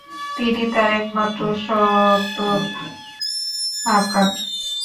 তিনি তার একমাত্র শতক হাঁকান।